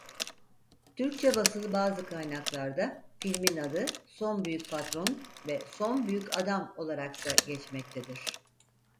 Türkçe basılı bazı kaynaklarda filmin adı "Son Büyük Patron" ve "Son Büyük Adam" olarak da geçmektedir.